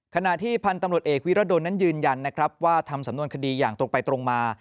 ขณะที่พันธุ์ตำรวจเอกวิรดลนั้นยืนยันนะครับว่าทำสำนวนคดีอย่างตรงไปตรงมา